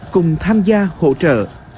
cùng tham gia hỗ trợ